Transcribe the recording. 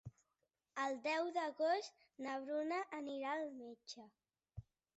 El deu d'agost na Bruna anirà al metge.